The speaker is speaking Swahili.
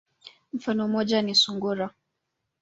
Mfano moja ni sungura.